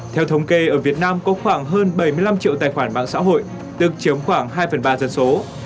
theo thống kê ở việt nam có khoảng hơn bảy mươi năm triệu tài khoản mạng xã hội tức chiếm khoảng hai phần ba dân số